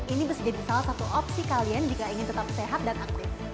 ini bisa jadi salah satu opsi kalian jika ingin tetap sehat dan aktif